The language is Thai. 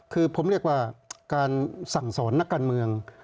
คือผมเรียกว่าการสั่งสอนนักการเมือง